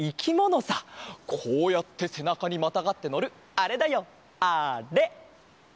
こうやってせなかにまたがってのるあれだよあれ！